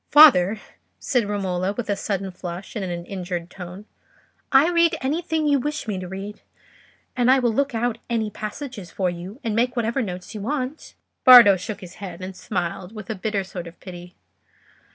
"Father," said Romola, with a sudden flush and in an injured tone, "I read anything you wish me to read; and I will look out any passages for you, and make whatever notes you want." Bardo shook his head, and smiled with a bitter sort of pity.